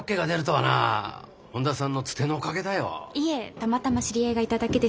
たまたま知り合いがいただけです。